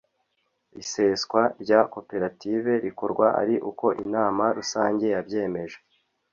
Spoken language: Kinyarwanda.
iseswa rya koperative rikorwa ari uko inama rusange yabyemeje